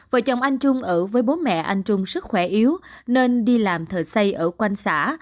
vợ chồng anh trung ở với bố mẹ anh trung sức khỏe yếu nên đi làm thợ xây ở quanh xã